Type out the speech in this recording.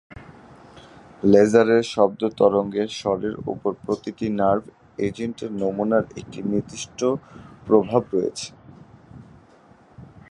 লেজারের শব্দ তরঙ্গের স্বরের উপর প্রতিটি নার্ভ এজেন্টের নমুনার একটি নির্দিষ্ট প্রভাব রয়েছে।